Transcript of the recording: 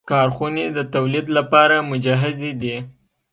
کارخونې د تولید لپاره مجهزې دي.